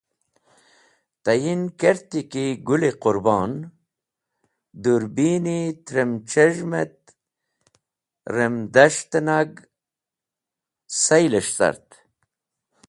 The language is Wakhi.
Tayin kerti ki Gũl-e Qũrbon dũrbini trem c̃hez̃hm et rem das̃ht nag sayles̃h cart.